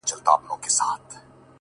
هغه به خپل زړه په ژړا وویني!!